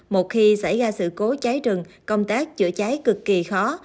một khi xảy ra sự cố cháy rừng công tác chữa cháy cực kỳ khó